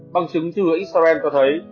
bằng chứng thư hướng instagram cho thấy